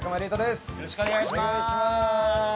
よろしくお願いします！